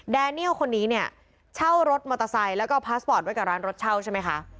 แดเนียลคนนี้เนี่ยเช่ารถมอเตอร์ไซค์แล้วก็พาสปอร์ตไว้กับร้านรถเช่าใช่ไหมคะ